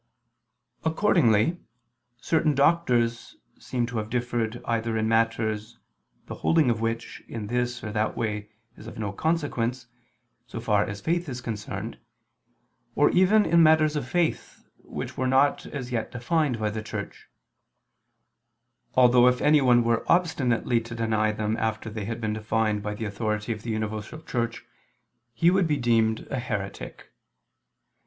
Accordingly, certain doctors seem to have differed either in matters the holding of which in this or that way is of no consequence, so far as faith is concerned, or even in matters of faith, which were not as yet defined by the Church; although if anyone were obstinately to deny them after they had been defined by the authority of the universal Church, he would be deemed a heretic.